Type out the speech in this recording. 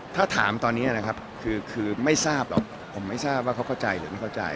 ถ้าถามตอนนี้นะครับคือไม่ทราบหรอกผมไม่ทราบว่าเขาเข้าใจหรือไม่เข้าใจ